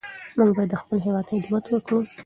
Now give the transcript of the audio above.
موږ باید د خپل هېواد خدمت وکړو.